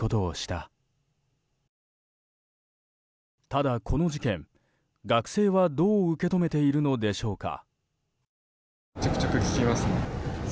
ただ、この事件、学生はどう受け止めているのでしょうか。